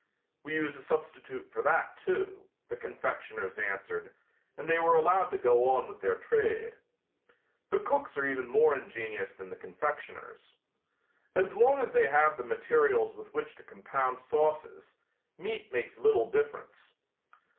"We use a substitute for that, too," the confectioners answered, and they were allowed to go on with their trade. The cooks are even more ingenious than the confectioners. As long as they have the materials with which to compound sauces, meat makes little difference.